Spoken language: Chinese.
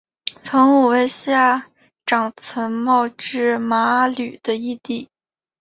从五位下长岑茂智麻吕的义弟。